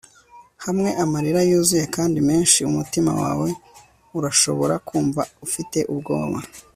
Hamwe amarira yuzuye kandi menshi umutima wawe urashobora kumva ufite ubwoba